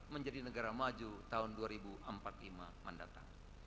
menjadi negara maju tahun dua ribu empat puluh lima mendatang